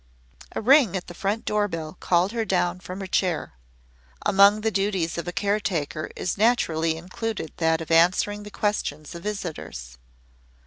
A ring at the front door bell called her down from her chair. Among the duties of a caretaker is naturally included that of answering the questions of visitors.